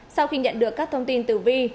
sau khi nhận được các thông tin từ vi